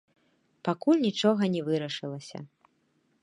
Пакуль нічога не вырашылася.